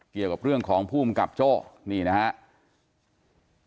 เกี่ยวกับเรื่องของภูมิกับโจ้นี่นะครับ